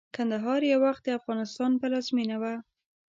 کندهار يٶوخت دافغانستان پلازمينه وه